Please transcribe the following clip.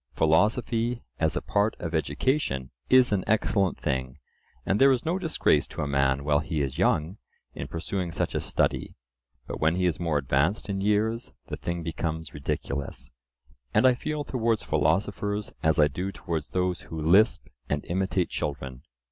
Philosophy, as a part of education, is an excellent thing, and there is no disgrace to a man while he is young in pursuing such a study; but when he is more advanced in years, the thing becomes ridiculous, and I feel towards philosophers as I do towards those who lisp and imitate children.